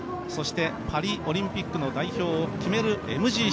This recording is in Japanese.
そして、パリオリンピックの代表を決めるＭＧＣ。